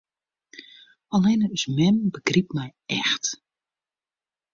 Allinne ús mem begrypt my echt.